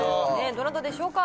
どなたでしょうか？